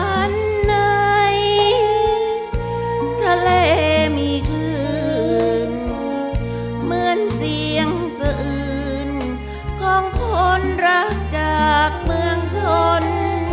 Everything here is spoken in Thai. อันไหนทะเลมีคลื่นเหมือนเสียงอื่นของคนรักจากเมืองชน